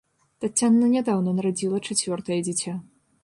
Таццяна нядаўна нарадзіла чацвёртае дзіця.